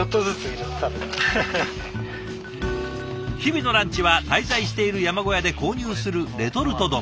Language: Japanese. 日々のランチは滞在している山小屋で購入するレトルト丼。